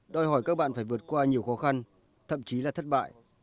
đòi hỏi các bạn phải vượt qua nhiều khó khăn thậm chí là thất bại